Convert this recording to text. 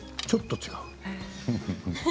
ちょっと違う。